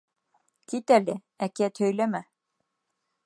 Кит әле, әкиәт һөйләмә!